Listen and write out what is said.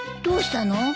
どうしたの？